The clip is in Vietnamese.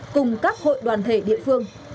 cùng các hội đoàn thể địa phương